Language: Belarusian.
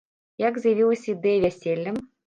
Як з'явілася ідэя вяселля?